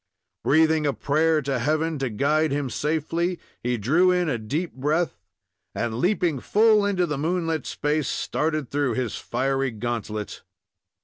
Breathing a prayer to heaven to guide him safely, he drew in a deep breath, and, leaping full into the moonlit space, started through his fiery gauntlet.